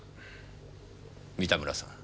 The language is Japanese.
三田村さん。